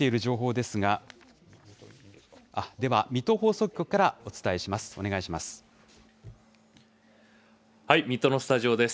では水戸放送局からお伝えします。